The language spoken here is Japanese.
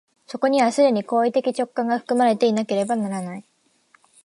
そこには既に行為的直観が含まれていなければならない。